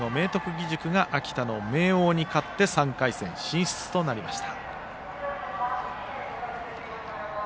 義塾が秋田の明桜に勝って３回戦進出となりました。